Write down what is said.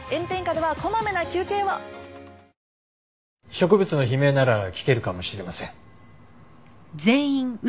植物の悲鳴なら聞けるかもしれません。